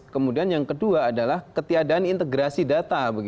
kemudian yang kedua adalah ketiadaan integrasi data